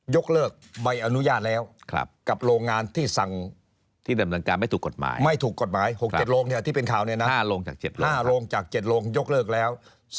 ๒ยกเลิกใบอนุญาตแล้วกับโรงงานที่สั่งไม่ถูกกฎหมาย๖๗โลงที่เป็นข่าว๕โลงจาก๗โลงยกเลิกแล้ว